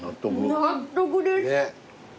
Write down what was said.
納得です。